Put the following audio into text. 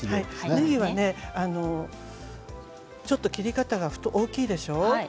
ねぎは、ちょっと切り方が大きいでしょう？